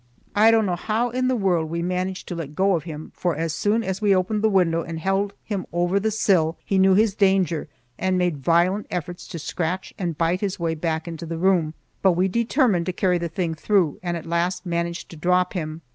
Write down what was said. I don't know how in the world we managed to let go of him, for as soon as we opened the window and held him over the sill he knew his danger and made violent efforts to scratch and bite his way back into the room; but we determined to carry the thing through, and at last managed to drop him.